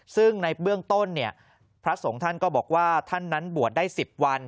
ซึ่งในเบื้องต้นเนี่ยพระสงฆ์ท่านก็บอกว่าท่านนั้นบวชได้๑๐วัน